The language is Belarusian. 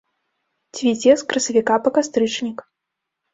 Цвіце з красавіка па кастрычнік.